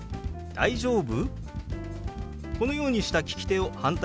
大丈夫？」。